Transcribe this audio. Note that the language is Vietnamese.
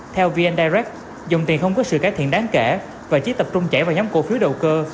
theo vn direct dòng tiền không có sự cải thiện đáng kể và chỉ tập trung chảy vào nhóm cổ phiếu đầu cơ